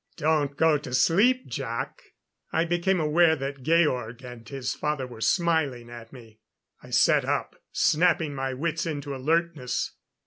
"Don't go to sleep, Jac!" I became aware that Georg and his father were smiling at me. I sat up, snapping my wits into alertness.